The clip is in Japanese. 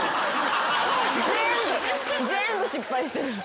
全部失敗してる。